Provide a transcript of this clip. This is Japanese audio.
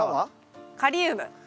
カリウム！